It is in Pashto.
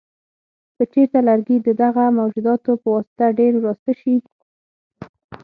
که چېرته لرګي د دغه موجوداتو په واسطه ډېر وراسته شي.